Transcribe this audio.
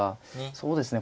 そうですね